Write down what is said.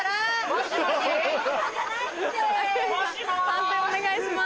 判定お願いします。